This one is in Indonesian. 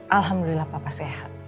alhamdulillah papa sehat